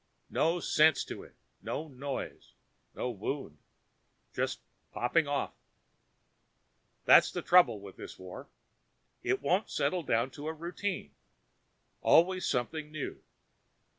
No sense to it. No noise. No wound. Just popping off. That's the trouble with this war. It won't settle down to a routine. Always something new.